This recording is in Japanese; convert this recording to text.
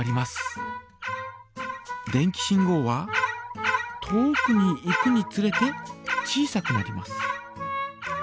電気信号は遠くに行くにつれて小さくなります。